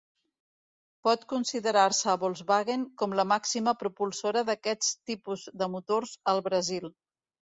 Pot considerar-se a Volkswagen com la màxima propulsora d'aquests tipus de motors al Brasil.